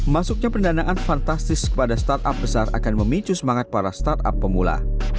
masuknya pendanaan fantastis kepada startup besar akan memicu semangat para startup pemula